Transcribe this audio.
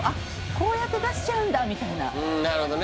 こうやって出しちゃうんだみたいななるほどね